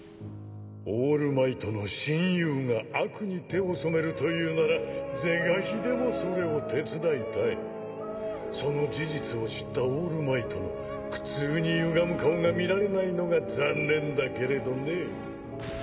オールマイトの親友が悪に手を染めるというなら是が非でもそれを手伝いたいその事実を知ったオールマイトの苦痛にゆがむ顔が見られないのが残念だけれどね